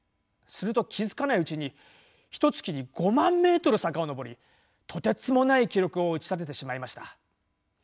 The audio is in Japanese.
すると気付かないうちにひとつきに５万メートル坂を上りとてつもない記録を打ち立ててしまいました。